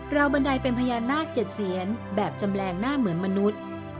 บันไดเป็นพญานาค๗เสียนแบบจำแรงหน้าเหมือนมนุษย์